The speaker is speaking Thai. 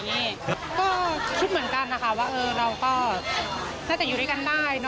ก็คิดเหมือนกันนะคะว่าเราก็น่าจะอยู่ด้วยกันได้